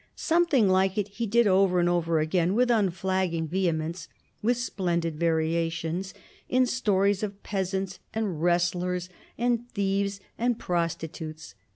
Something like it he did over and over again, with unflagging vehemence, with splendid variations, in stories of peasants and wrestlers and thieves and prostitutes.